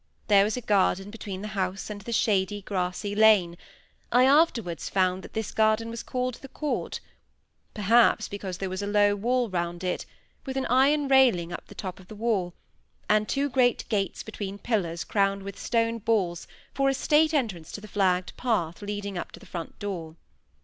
There was a garden between the house and the shady, grassy lane; I afterwards found that this garden was called the court; perhaps because there was a low wall round it, with an iron railing on the top of the wall, and two great gates between pillars crowned with stone balls for a state entrance to the flagged path leading up to the front door.